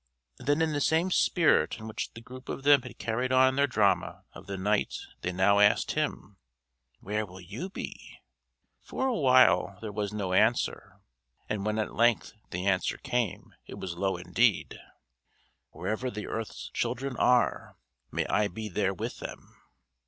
Then in the same spirit in which the group of them had carried on their drama of the night they now asked him: "Where will you be?" For a while there was no answer, and when at length the answer came it was low indeed: "Wherever the earth's children are, may I be there with them!"